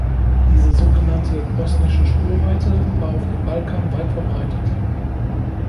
Diese sogenannte "bosnische Spurweite" war auf dem Balkan weit verbreitet.